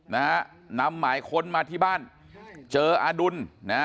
นะฮะนำหมายค้นมาที่บ้านเจออดุลนะฮะ